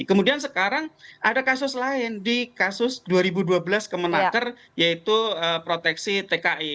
kemudian sekarang ada kasus lain di kasus dua ribu dua belas kemenaker yaitu proteksi tki